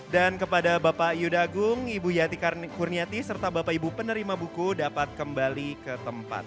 dan kepada bapak ibu yati kurniati serta bapak ibu penerima buku dapat kembali ke tempat